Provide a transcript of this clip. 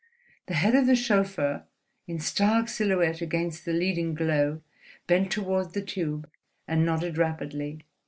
The head of the chauffeur, in stark silhouette against the leading glow, bent toward the tube, and nodded rapidly.